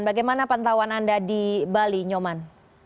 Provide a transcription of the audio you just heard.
bagaimana pantauan anda di bali nyoman